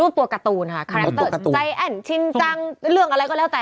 รูปตัวการ์ตูนค่ะใจแอ้นชินจังเรื่องอะไรก็แล้วแต่